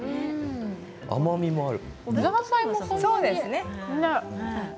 甘みもある。